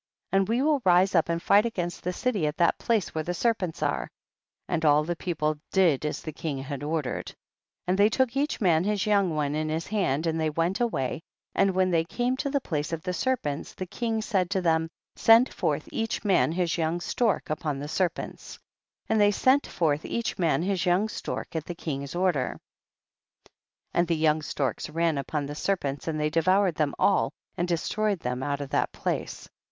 21. And we will rise up and fight against the city at the place where the serpents are ; and all the people did as the king had ordered. 22. And they took each man his young one in his hand, and they went away, and when they came to the place of the serpents the king said to them, send forth each man his young stork upon the serpents. 23. And they sent forth each man his young stork at the king's order, and the young storks ran upon the serpents and they devoured them all and destroyed them out of that place.